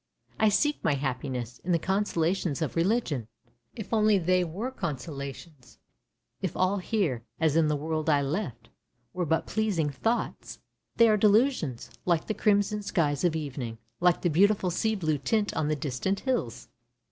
I seek my happiness in the consolations of religion. If only they were consolations — if all here, as in the world I left, were but pleasing thoughts! They are delusions, like the crimson skies of evening, like the beautiful sea blue tint on the distant hills.